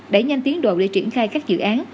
để nhanh tiến đổi để triển khai các dự án